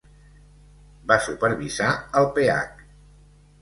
Va supervisar el Ph.